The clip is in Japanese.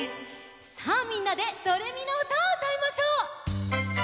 さあみんなで「ドレミのうた」をうたいましょう！